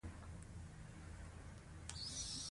لوستې میندې د ماشوم پاملرنه پر وخت کوي.